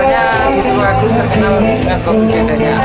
soalnya tulung agung terkenal dengan kopi ct nya